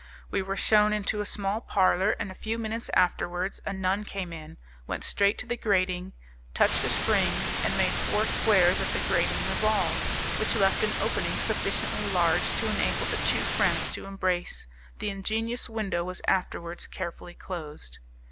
We were shewn into a small parlour, and a few minutes afterwards a nun came in, went straight to the grating, touched a spring, and made four squares of the grating revolve, which left an opening sufficiently large to enable the two friends to embrace. The ingenious window was afterwards carefully closed.